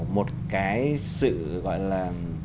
một cái sự gọi là